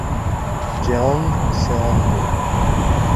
Jeong Seon-min